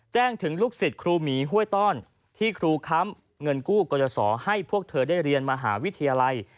แจ้งถึงลูกศิษย์ครูหมีห้วยต้อนที่ครูค้ำเงินกู้กรสอให้พวกเธอได้เรียนมหาวิทยาลัย